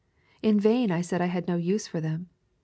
In vain I said I had no use for them.